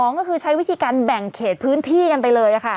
ก็คือใช้วิธีการแบ่งเขตพื้นที่กันไปเลยค่ะ